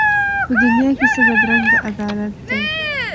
په دنیا کي څه بدرنګه عدالت دی